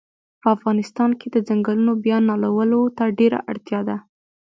په افغانستان کښی د ځنګلونو بیا نالولو ته ډیره اړتیا ده